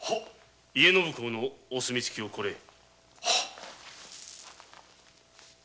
家宣公のお墨付をこれへ。